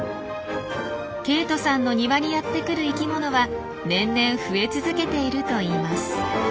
ケイトさんの庭にやってくる生きものは年々増え続けているといいます。